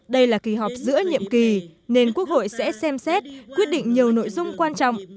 đây là kỳ họp giữa nhiệm kỳ nên quốc hội sẽ xem xét quyết định nhiều nội dung quan trọng